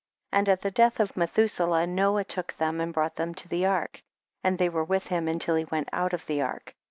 26. And at the death of Methuse lah, Noah took them and brought them to the ark, and they were with went out of the ark.